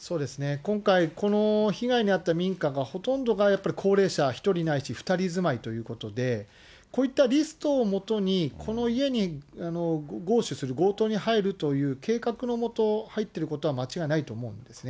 今回、この被害に遭った民家がほとんどがやっぱり高齢者、１人ないし２人住まいということで、こういったリストをもとにこの家に強取する、強盗に入るという計画のもと入っているということは間違いないと思うんですね。